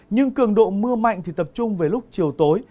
nhưng cường độ mưa mạnh thì tập trung về lúc chiều tối